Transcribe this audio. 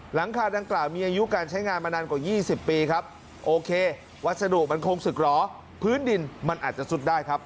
หลังคาดังกล่าวมีอายุการใช้งานมานานกว่า๒๐ปีครับโอเควัสดุมันคงศึกเหรอพื้นดินมันอาจจะสุดได้ครับ